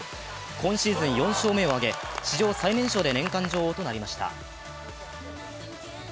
今シーズン４勝目を挙げ、史上最年少で年間女王となりました。